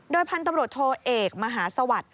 โดยพันธบริโภตโทเอกมหาสวรรค์